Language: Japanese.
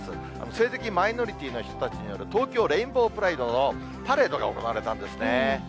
性的マイノリティーの人たちによる、東京レインボープライドのパレードが行われたんですね。